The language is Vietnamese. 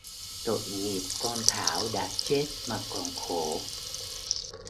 Tội nghiệp con Thảo đã chết mà còn khổ